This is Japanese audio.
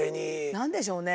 何でしょうね